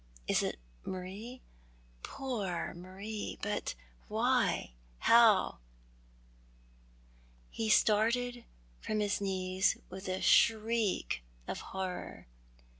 " It is Marie poor Marie— but why, how " He started from his knees with a shriek of horror.